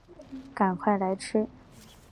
赶快来吃